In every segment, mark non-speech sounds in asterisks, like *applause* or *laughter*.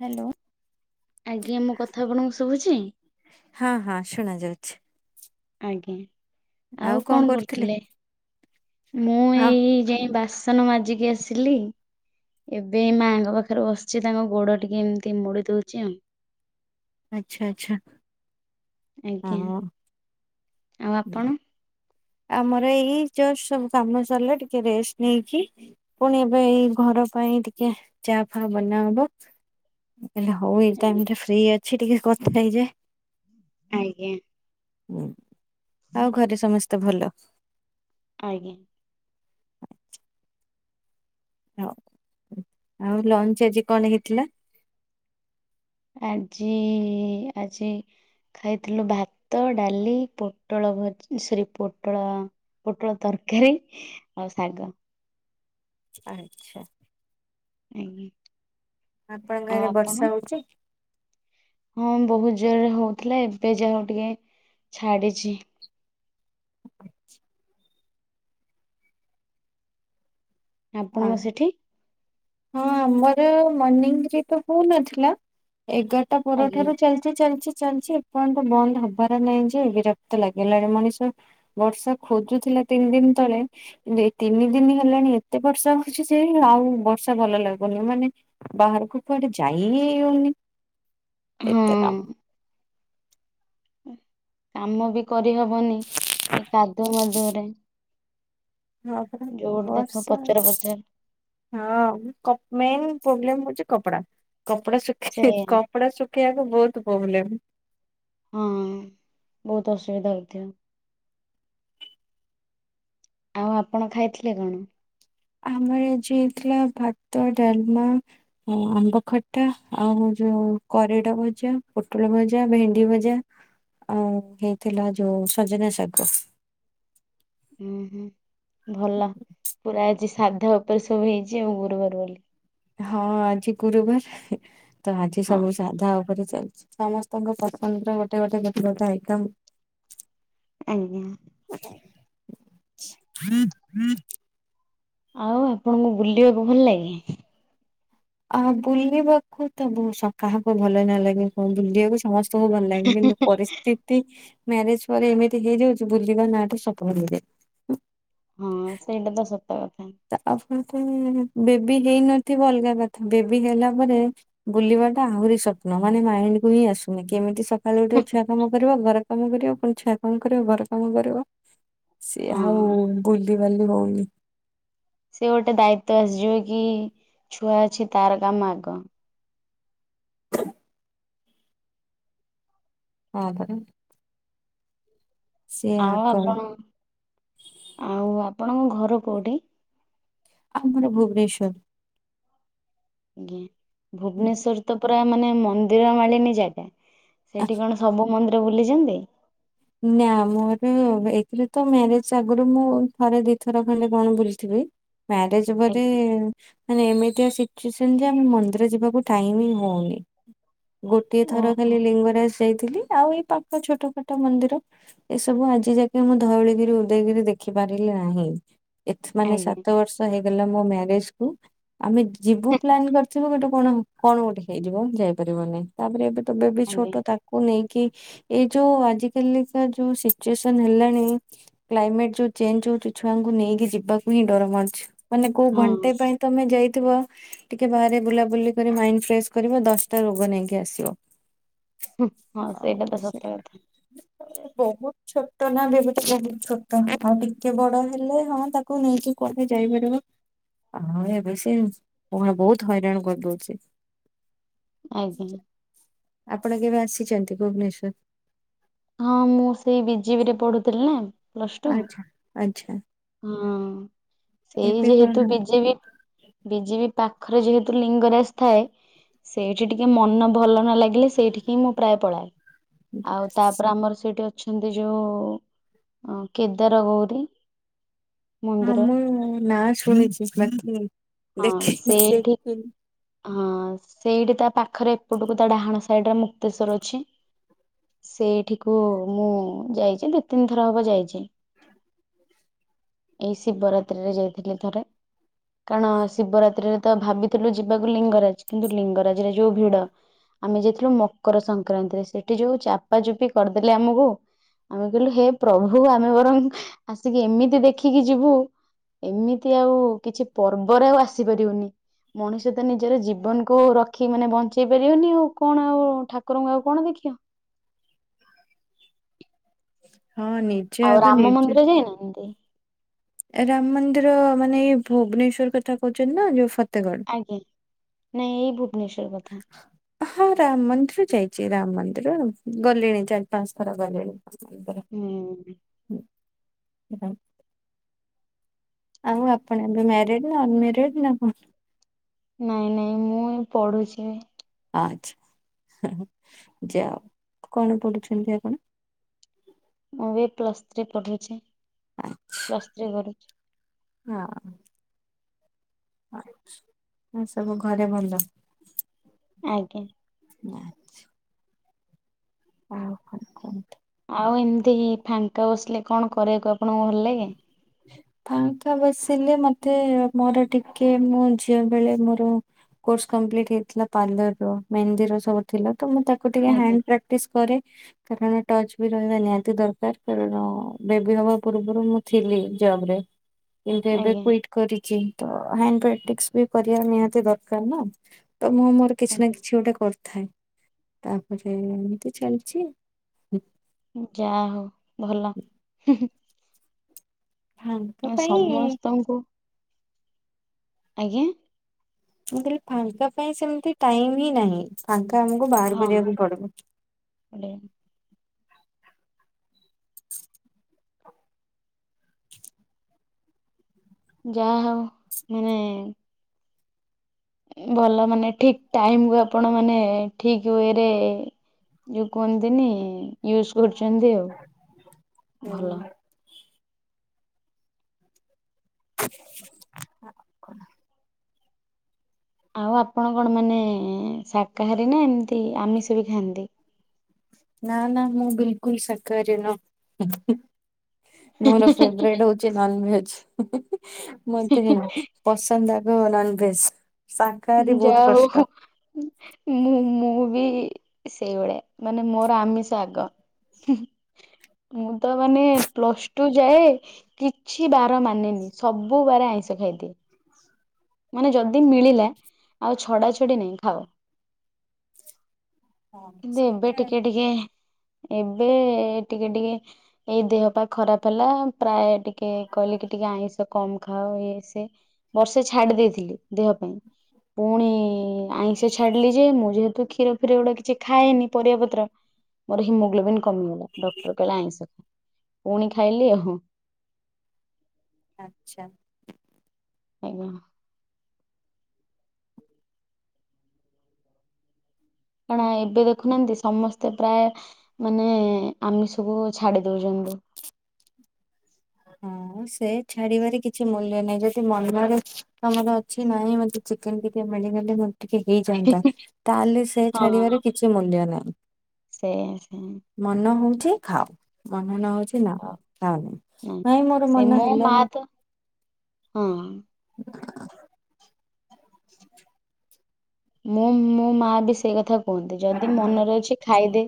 Hello. ଆଜ୍ଞା। ମୋ କଥା ଆପଣଙ୍କୁ ଶୁଭୁଛି? ହଁ ହଁ ଶୁଣା ଯାଉଛି। ଆଜ୍ଞା। ଆଉ କଣ କରୁଥିଲେ? ମୁଁ ହଁ ଏଇ ଯାଇଁ ବାସ ସନ ମାଜିକି ଆସିଲି। ଏବେ ମାଆଙ୍କ ପାଖରେ ବସିଛି ତାଙ୍କ ଗୋଡ ଟିକେ ଏମିତି ମୋଡି ଦଉଛି ଆଉ। ଆଛା, ଆଚ୍ଛା। ଆଜ୍ଞା। ହଁ। ଆଉ ଆପଣ? ଆମର ଏଇ ଜଷ୍ଟ ସବୁ କାମ ସରିଲା ଟିକେ ରେଷ୍ଟ ନେଇକି ପୁଣି ଏବେ ଏଇ ଘର ପାଇଁ ଟିକେ ଚା ଫା ବନା ହବ। ହେଲେ ହଉ ଏଇ ଆଜ୍ଞା ଟାଇମ ଟା ଫ୍ରି ଅଛି ଟିକେ କଥା ହେଇଯାଏ। ଆଜ୍ଞା। ହୁଁ। ଆଉ ଘରେ ସମସ୍ତେ ଭଲ? ଆଜ୍ଞା। ହଉ। ଆଉ ଲଞ୍ଚ ଆଜି କଣ ହେଇଥିଲା? ଆଜି, ଆଜି ଖାଇଥିଲୁ ଭାତ, ଡାଲି ପୋଟଳ ଭଜ ସରି ପୋଟଳ ପୋଟଳ ତରକାରୀ ଆଉ ଶାଗ। ଆଚ୍ଛା। ଆଜ୍ଞା। ଆପଣଙ୍କ ଆଉ ଆଡ଼େ ଆପଣ? ବର୍ଷା ହଉଛି? ହଁ ବହୁତ ଜୋରରେ ହଉଥିଲା ଏବେ ଯାହାହଉ ଟିକେ ଛାଡିଛି। ଅଛି। ଆପଣଙ୍କ ସେଠି? ହଁ ଆମର ମର୍ଣିିଂରେ ତ ହଉନଥିଲା। ଏଗାରଟା ଆଜ୍ଞା। ପରଠାରୁ ଚାଲି ଚାଲିଛି ଚାଲିଛି ଏପର୍ଯ୍ୟନ୍ତ ବନ୍ଦ ହବାର ନାହିଁ ଯେ ବିରକ୍ତ ଲାଗିଲାଣି ମଣିଷ। ବର୍ଷା ଖୋଜୁଥିଲା ତିନି ଦିନ ତଳେ କିନ୍ତୁ ଏଇ ତିନି ଦିନି ହେଲାଣି ଏ ଏତେ ବର୍ଷା ହଉଛି ଯେ ଆଉ ବର୍ଷା ଭଲ ଲାଗୁନି ମାନେ ବାହାରକୁ କୁଆଡେ ଯାଇହିଁ ହଉନି। ହଁ। ଏତେ କାମ। କାମ ବି କରିହବନି ଏ କାଦୁଅ ମାଦୁଅ ରେ। ହଁ ପରା ଦେଖ ବର୍ଷା ପଚର ପଚର ହଁ କପ ମେନ୍ ପ୍ରୋବ୍ଲେମ୍ ହଉଛି କପଡା କପଡା ଶୁଖି ସେଇଆ କପ୍ କପଡା ଶୁଖେଇଆକୁ ବହୁତ ପ୍ରୋବ୍ଲେମ୍। ହଁ ବହୁତ ଅସୁବିଧା ହଉଥିବ। ଆଉ ଆପଣ ଖାଇଥିଲେ କଣ? ଆମର ଆଜି ହେଇଥିଲା ଭାତ ଡାଲମା। ହଁ ଆମ୍ବ ଖଟା ଆଉ ଯୋଉ କରଡ ଭଜା ପୋଟଳ ଭଜା ଭେଣ୍ଡି ଭଜା। ଆଉ ହେଇଥିଲା ଯୋଉ ସଜନା ଶାଗ ଓ ହୁଁ ଭଲ ପୁରା ଆଜି ସାଧା ଉପରେ ସବୁ ହେଇଛି ଆ ଗୁରୁବାର ବୋଲି। ହଁ ଆଜି ଗୁରୁବାର ତ ଆଜି ହଁ ସବୁ ହଁ ସାଧା ଉପରେ ଚାଲିଛି ସମସ୍ତ ତାଙ୍କ ପତନର ଗୋଟେ ଗୋଟେ ଗୋଟେ ଗୋଟେ ଆଇଟମ୍ ଆଜ୍ଞା। ଆଉ ଆପଣଙ୍କୁ ବୁଲିବାକୁ ଭଲ ଲାଗେ? ଆ ବୁଲିବାକୁ ତ ବହୁତ୍ ସ କାହାକୁ ଭଲ ନ ଲାଗେ କଣ ବୁଲିବାକୁ ସମସ୍ତେ ସବୁ ଭଲ ଲାଗିବ କିନ୍ତୁ ପରି ସ୍ଥିତି ମ୍ୟାରେଜ ପରେ ଏମିତି ହେଇଯାଉଛି ବୁଲବା ନାଁ ଟେ ସଫ ହେଇଯାଏ। ହଁ ସେଇଟା ତ ସତ କଥା। ତା ଆପଣ ତ ବେବି ହେଇନଥିବ ଅଲଗା କଥା ବେବି ହେଲା ପରେ ବୁଲିବାଟା ଆହୁରି ସପ୍ନ ମାନେ ମାଇଣ୍ଡ କୁ ହିଁ ଆସୁନି କେମିତି ସ କାଲି ଗୋଟେ ଛୁଆ କାମ କରିବ ଘର କାମ କରିବ ପୁଣି ଛୁଆ କାମ କରିବ ଘର କାମ କରିବ। ସିଏ ଆଉ ହଁ ବୁଲିିବାଲି ହଉନି। ସେ ଗୋଟେ ଦାୟିତ୍ୟ ଆସିଯିବ କି ଛୁଆ ଅଛି ତାର କାମ ଆଗ। ହଁ। ସିଏ ଆଉ ଆଗ ଆପଣ ଆଉ ଆପଣଙ୍କ ଘର କୋଉଠି। ଆମର ଭୁବନେଶ୍ଵର। ଆଜ୍ଞା ଭୁବନେଶ୍ଵର ତ ପୁରା ମାନେ ମନ୍ଦିର ମାଳିନୀ ଜାଗା ସେଠି କଣ ସବୁ ମନ୍ଦିର ବୁଲିଛନ୍ତି? ନା ମୋର ଏଥିରେ ତ ମ୍ୟାରେଜ୍ ଆଗରୁ ମୁଁ ଥରେ ଦିଥର କହିଲେ କଣ ବୁଲିଥିବି। ମ୍ୟାରେଜ୍। ଆଜ୍ଞା ମାନେ ଏମିତିଆ ସିଚୁଏସନ ଯେ ଆମେ ମନ୍ଦିର ଯିବାକୁ ଟାଇମ୍ ହଉନି। ଗୋଟିଏ ଥର ଓହୋ ଖାଲି ଲିଙ୍ଗରାଜ ଯାଇଥିଲି ଆଉ ଏଇ ପାଖ ଛୋଟ ଛୋଟ ମନ୍ଦିର। ଏସବୁ ଆଜି ଯାକେ ମୁଁ ଧଉଳିଗିରି ଉଦୟଗିରି ଦେଖି ପାରିଲି ନାହିଁ। ଏ ମାନେ ଆଜ୍ଞା ସାତ ବର୍ଷ ହେଇଗଲା ମୋ ମ୍ୟାରେଜ୍ କୁ ଆମେ ଯିବୁ ପ୍ଲାନ କରି ଗୋଟେ କଣ କଣ ଗୋଟେ ହେଇଯିବ ଯାଇପାରିବନାହିଁ ତାପରେ ଏବେ ତ ବେବି ଆଜ୍ଞା ଛୋଟ ତା କୁ ନେଇକି ଏଇ ଯୋଉ ଆଜି କାଲିକା ଯୋଉ ସିଚୁଏସନ ହେଲାଣି। କ୍ଲାଇମେଟ୍ ଯୋଉ ଚେଞ୍ଜ ହଉଛି ଛୁଆଙ୍କୁ ନେଇକି ଯିବାକୁ ହିଁ ଡର ମାରୁୁଛି ମାନେ କୋଉ ହଁ ଘଣ୍ଟେ ପାଇଁ ତମେ ଯାଇଥିବ। ଟିକେ ବାହାରେ ବୁଲାବୁଲି କରି ମାଇଣ୍ଡ ଫ୍ରେସ୍ କରିବ ଦଶଟା ରୋଗ ନେଇକି ଆସିବ। ହଁ ସେଇଟା ଆଉ ତ ସେ ସତ କଥା। ବହୁତ ଛୋଟ ନା ବହୁତ ଛୋଟ ନା ହଁ ଟିକେ ବଡ ହେଲେ ହଁ ତା କୁ ନେଇକି କୁଆଡେ ଯାଇପାରିବ? ହଁ ଏବେ ସେ କୁହେଁ ବହୁତ ହଇରାଣ କରିଦଉଛି। ଆଜ୍ଞା ଆପଣ କେବେ ଆସିଛନ୍ତି ଭୁବନେଶ୍ଵର। ହଁ ମୁଁ ସେଇ ବିଜିବି ରେ ପଢୁଥିଲି ନା ପ୍ଲସ୍‌ ଟୁ। ଆଚ୍ଛା ଆଚ୍ଛା ହୁଁ ସେଇ ଏବେ କଣ ଯେହେତୁ ବିଜେ ବି ବିଜି ବି ପାଖରେ ଯେହେତୁ ଲିଙ୍ଗରାଜ ଥାଏ। ସେଇଠି ଟିକେ ମନ ଭଲ ନ ଲାଗିଲେ ସେଇଠିକି ମୁଁ ପ୍ରାୟ ପଳାଏ। ଆଉ ତାପରେ ଆମର ସେଇଠି ଅଛନ୍ତି ଯୋଉ କେଦାର ଗୌରୀ। ଆ ମନ୍ଦିର ମୁଁ ନା ଶୁଣିଛି *unintelligible* ହଁ ସେଇଠି ଦେଖିନି। ହଁ ସେଇଠି ତା ପାଖରେ ଏପଟକୁ ତା ଡାହାଣ ସାଇଡ୍‌ ରେ ମୁକ୍ତେସ୍ୱର୍ ଅଛି। ସେଇଠିକୁ ମୁଁ ଯାଇଛି ଦି ତିନିଥର ହବ ଯାଇଛି। ଏଇ ଶିବରାତ୍ରି ରେ ଯାଇଥିଲି ଥରେ। କାରଣ ଶିବରାତ୍ରିରେ ତ ଭାବିଥିଲୁ ଯିବାକୁ ଲିଙ୍ଗରାଜ କିନ୍ତୁ ଲିଙ୍ଗରାଜରେ ଯୋଉ ଭିଡ। ଆମେ ଯାଇଥିଲୁ ମକର ସଂକ୍ରାନ୍ତିରେ ସେଠି ଯୋଉ ଚାପା ଚୁପି କରିଦେଲେ ଆମକୁ। ଆମେ କହିଲୁ ହେ ପ୍ରଭୁ ଆମେ ବରଂ ଆସିକି ଏମିତି ଦେଖିକି ଯିବୁ। ଏମିତି ଆଉ କିଛି ପର୍ବରେ ଆଉ ଆସିପାରିବୁନି। ମଣିଷ ତ ନିଜର ଜୀବନକୁ ରଖି ମାନେ ବଞ୍ଚେଇ ପାରିବନି ଆଉ କଣ ଆଉ ଠାକୁରଙ୍କୁ ଆଉ କଣ ଦେଖିବ। ହଁ ନି ଆଉ ରାମ ମନ୍ଦିର ଯାଇନାହାନ୍ତି। ରାମ ମନ୍ଦିର ମାନେ ଏଇ ଭୁବନେଶ୍ଵର କଥା କହୁଛନ୍ତି ନା ଯୋଉ ଫତେଗଡ ଆଜ୍ଞା ନାଇଁ ଏଇ ଭୁବନେଶ୍ଵର କଥା। ହଁ ରାମ ମନ୍ଦିର ଯାଇଛି ରାମ ମନ୍ଦିର ଗଲିଣି ଚାରି ପାଞ୍ଚ ଥର ଗଲିଣି ମନ୍ଦିର। ହୁଁ। ହଁ ସେଟା ଆଉ ଆପଣ ଏବେ ମ୍ୟାରିଡ୍‌ ନା ଅନ୍‌ମ୍ୟାରେଡ୍‌ ନା କଣ? ନାଇଁ ନାଇଁ ମୁଁ ଏ ପଢୁଛି। ଆଚ୍ଛା ଯାଅ କଣ ପଢୁଛନ୍ତି ଆପଣ? ମୁଁ ବି ପ୍ଲସ୍ ଥ୍ରୀ ପଢୁଛି ପ୍ଲସ୍ ଥ୍ରୀ କରୁଛି। ହଁ। ଆଚ୍ଛା ଏ ସବୁ ଘରେ ଭଲ। ଆଜ୍ଞା। ଆଚ୍ଛା। ହଁ। ଆଉ ଏମିତି ଫାଙ୍କା ବସିଲେ କଣ କରିବାକୁ ଆପଣଙ୍କ ହ ପାଙ୍କା ବସିଲେ ମତେ ମୋର ଟିକେ ମୁଁ ଝିଅ ବେଳେ ମୋର କୋର୍ସ କମ୍ପ୍ଲିଟ ହେଇଥିଲା ପାର୍ଲର ର ମେନ୍ଦିର ସବୁ ଥିଲା ତ ମୁଁ ତାକୁ ଟିକେ ଆଜ୍ଞା ହାଣ୍ଡ ପ୍ରା ପ୍ରାକ୍ଟିସ କରେ କାରଣ ଟଚ୍ ବି ରହିବା ନିହାତି ଦରକାର କାରଣ ବେବି ହବା ପୂର୍ବରୁ ପୂର୍ବରୁ ମୁଁ ଥିଲି ଜବ୍‌ ରେ କିନ୍ତୁ ଏବେ ଆଜ୍ଞା କୁଇ କରିଚି ତ ହାଣ୍ଡ ପ୍ରାକ୍ଟିସ ବି କରିବା ନିହାତି ଦରକାର। ନା ତ ମୁଁ ମୋର କିଛି ନା ଆଜ୍ଞା କିଛି ଗୋଟେ କରିଥାଏ ତାପରେ ଏମିତି ଚାଲିଛି। ଯା ହୋଉ ଭଲ। ଭାଇଙ୍କ ପାଇଁ ସମସ୍ତଙ୍କୁ ଆଜ୍ଞା ମୁ କହଲି ଫାଙ୍କା ପାଇଁ ସେମିତି ଟାଇମ। ହିଁ ନାହିଁ ଫାଙ୍କା ଆମକୁ ବାହାର କରିବାକୁ ହଁ ପଡିବ। *unintelligible* ଯାହା ହଉ ମାନେ ଭଲ ମାନେ ଠିକ ଟାଇମକୁ ଆପଣ ମାନେ ଠିକ ୱେରେ ଯୋଉ କୁହନ୍ତିନି ୟୁଜ କରୁଛନ୍ତି ଆଉ ଭଲ। ଆଉ କଣ? ଆଉ ଆପଣ କଣ ମାନେ ଶାକାହାରୀ ନା ଏମିତି ଆମିଷ ବି ଖାଆନ୍ତି। ନା ନା ମୁଁ ବିଲକୁଲ ସକାର ନୁହ ହୁଁ ହୁଁ ମୋର ଫେବ ରେଟ୍ ହୋଉଛି ନନ୍ ଭେଜ ହୁଁ ହୁଁ ହିଁ ମତେ ପସନ୍ଦ ଆଗ ନନ୍ ଭେଜ। ଯା ହୋଉ ହୁଁ। ମୁଁ ମୁଁ ବି ସେଇଭଳିଆ ମାନେ ମୋର ଆମିଷ ଆଗ। ମୁଁ ତ ମାନେ ପ୍ଲସ ଟୁ ଯାଏ କିଛି ବାର ମାନେନି ସବୁ ବାର ଆଇଁଷ ଖାଇଦିଏ। ମାନେ ଯଦି ମିଳିଲା ଆଉ ଛଡା ଛଡି ନାଇଁ ଖାଅ। ହଁ କିନ୍ତୁ ଏବେ ସେଇଟା ଟିକେ ଟିକେ ଏବେ ଟିକେ ଟିକେ ଏଇ ଦେହ ପା ଖରାପ ହେଲା ପ୍ରାୟେ ଟିକେ କହିଲେ କି ଟିକେ ଆଇଁଷ କମ ଖାଅ ଇଏ ସିଏ ବର୍ଷେ ଛାଡି ଦେଇଥିଲି ଦେହ ପାଇଁ। ପୁଣି ଆଇଁଷ ଛାଡିଲି ଯେ ମୁଁ ଯେହେତୁ କ୍ଷୀର ଫିର ଏଗୁଡା କିଛି ଖାଏନି ପରିବା ପତ୍ର ମୋର ହିମୋଗ୍ଲୋବିନ୍ କମିଗଲା ଡକ୍ଟର କହିଲା ଆଇଁଷ ଖାଅ ପୁଣି ଖାଇଲି ଆଉ। ଆଚ୍ଛା। ଆଜ୍ଞା। କଣ ଏବେ ଦେଖୁନାହାନ୍ତି ସମସ୍ତେ ପ୍ରାୟ ମାନେ ଆମିଷବୁ ଛାଡି ଦଉଛନ୍ତି। ହଁ ସେ ଛାଡିବାରେ କିଛି ମୂଲ୍ୟ ନାହିଁ ଯଦି ମନରେ ତମର ଅଛି ନାହିଁ ମ ଚିକେନ୍ ଫିକେନ୍ ମିଳିଗଲେ ହୁଅ ଟିକେ ହେଇଯାଆନ୍ତା ତାହେଲେ ସେ ଛାଡିବାରେ କିଛି ମୂଲ୍ୟ ନାହିଁ। ସେୟା ସେୟା। ମନ ହୋଉଛି ଖାଅ ମନ ନ ହୋଉଛି ନା ଖାଅନି। ନାଇ ନାଇଁ ମୋର ସେ ମନ ମୋ ମା ହେଲାନି ତ *inaudible* *inaudible* ମୁଁ ମୋ ମା ବି ସେଇ କଥା କୁହନ୍ତି ଯଦି ମନରେ ଅଛି ଖାଇଦେ।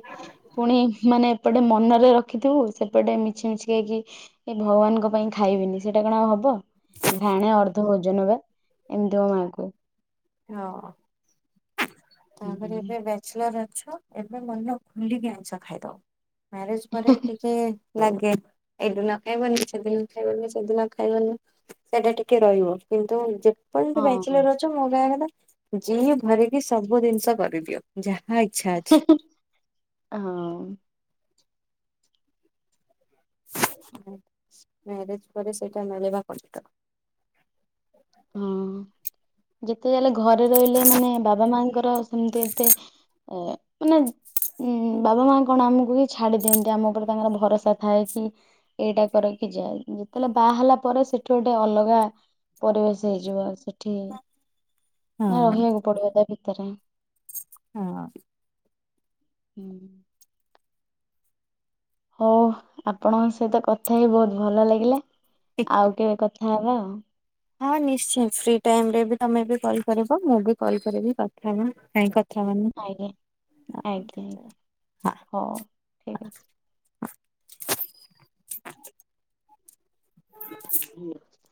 ପୁଣି ମାନେ ଏପଟେ ଏପଟେ ମନରେ ରଖିଥିବୁ ସେପଟେ ମିଛି ମିଛି କି ଏ ଭଗବାନଙ୍କ ପାଇଁ ଖାଇବିନି ସେଇଟା କଣ ଆଉ ହବ ଘାଣେ ଅର୍ଧ ଭୋଜନ ବା ଏମିତି ମୋ ମାଆ କୁହେ। ତାପରେ ଏବେ ବେ ବ୍ୟାଚଲର୍ ଅଛ ଏବେ ମନ ଖୋଲିକି ଆଇଁଷ ଖାଇଦବ। ମ୍ୟାରେଜ ପରେ ଟିକେ ନାଗେ। ଏଦିନ ଖାଇବନି ସେଦିନ ଖାଇବନି ସେଦିନ ଖାଇବନି। ସେଟା ଟିକେ ରହିବ। କିନ୍ତୁ ଯେ ଆପଣ ଯେମିତି ବ୍ୟାଚଲର୍ ହଁ ଅଛ ମୋ କହିବା କଥା ଜି ଭରିକି ସବୁ ଜିନିଷ କରିଦିଅ। ଯାହା ଇଚ୍ଛା ଅଛି। ଆଉ। ମ୍ୟାରେଜ ପରେ ସେଇଟା ମିଳିବା କ ହଁ ଯେତେ ଯାହେଲେ ଘରେ ରହିଲେ ମାନେ ବାବା ମାଙ୍କର ସେମିତି ଏତେ ଓ ମାନେ ଉୁଁ ବାବା ମା କଣ ଆମକୁ ହିଁ ଛାଡି ଦିଅନ୍ତି ଆମ ଉପରେ ତାଙ୍କର ଭରସା ଥାଏ କି। ଏଇଟା କରକି ଯାଏ ଯେତେବେଳେ ବାହା ହେଲା ପରେ ସେଠୁ ଗୋଟେ ଅଲଗା ପରିବେଶ। ହେଇଯିବ ଆଉ ସେଠି ହଁ। ରହିବାକୁ ପଡିବ ତା ଭିତରେ। ହଁ। ହୁ *unintelligible* ହଉ ଆପଣଙ୍କ ସହିତ କଥା ହେଇ ବହୁତ ଭଲ ଲାଗିଲା ଆଉ କେବେ କଥା ହବା ଆଉ। ହଁ ନିଶ୍ଚୟ ଫ୍ରି ଟାଇମ ରେ ବି ତମେ ବି କଲ୍ କରିବ ମୁଁ ବି କଲ୍ କରିବି କଥା ହବାନି। ଆଜ୍ଞା ଆଜ୍ଞା ଆଜ୍ଞା ହଁ। ହଉ ଠିକ ଅଛି। ହୁଁ *unintelligible*